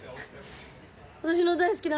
私の大好きな。